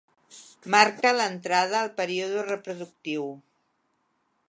Marca l'entrada al període reproductiu.